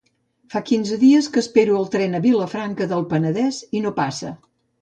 Fa quinze dies que espero el tren a Vilafranca del Penedès i no passa.